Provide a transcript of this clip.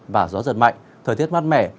và gió giật mạnh thời tiết mát mẻ